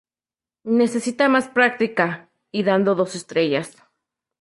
Necesita más práctica" y dando dos estrellas.